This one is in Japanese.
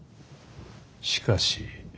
しかし。